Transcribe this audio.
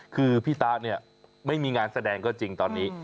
คือพี่ตาเนี่ยไม่มีงานแสดงก็จริงตอนนี้